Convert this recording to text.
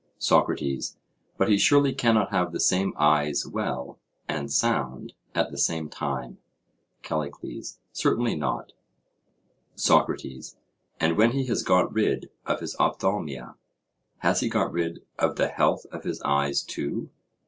SOCRATES: But he surely cannot have the same eyes well and sound at the same time? CALLICLES: Certainly not. SOCRATES: And when he has got rid of his ophthalmia, has he got rid of the health of his eyes too?